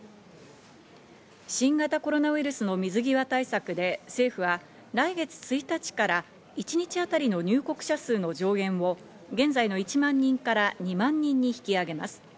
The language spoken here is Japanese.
新型コロナウイルスの水際対策で政府は来月１日から一日当たりの入国者数の上限を現在の１万人から２万人に引き上げます。